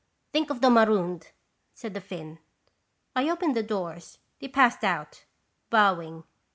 "" Think of the marooned," said the Finn. I opened the doors ; they passed out, bow ing.